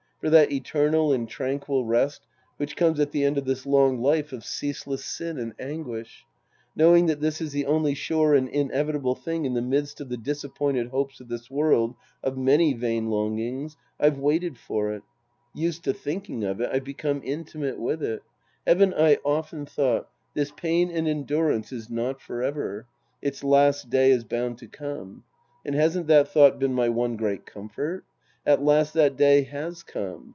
For that eternal and tranquil rest which comes at the end of this long life of ceaseless sin and anguish ? Knowing that this is the only sure and inevitable thing in the midst of the disappointed hopes of this world of many vain long ings, I've waited for it. Used to thinking of it, I've become intimate with it. Haven't I often thought, " This pain and endurance is not forever. It's last day is bound to come." And hasn't that thought been my one great comfort ? At last that day has come.